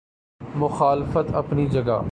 مخالفت اپنی جگہ۔